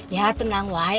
ya tenang wai